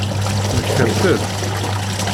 Temmektamt-d?